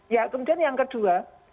ya kemudian yang kedua